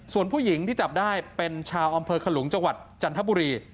ส่วนผู้หญิงที่จับได้เป็นชาวอำเภอขลุงจังหวัดจันทบุรี